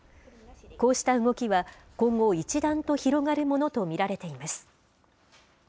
こうした動きは、今後、一段と広がるものと見られています。